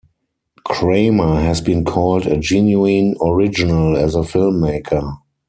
Kramer has been called "a genuine original" as a filmmaker.